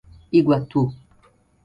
Iguatu